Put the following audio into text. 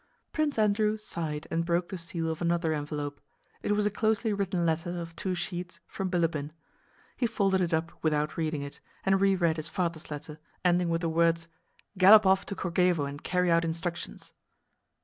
Prince Andrew sighed and broke the seal of another envelope. It was a closely written letter of two sheets from Bilíbin. He folded it up without reading it and reread his father's letter, ending with the words: "Gallop off to Kórchevo and carry out instructions!"